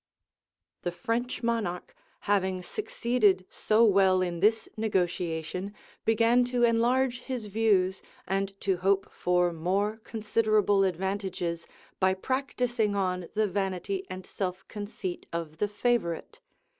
The French monarch, having succeeded so well in this negotiation, began to enlarge his views, and to hope for more considerable advantages by practising on the vanity and self conceit of the favorite.